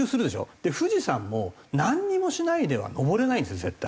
富士山もなんにもしないでは登れないんですよ絶対。